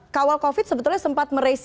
kawal covid sebetulnya sempat merespon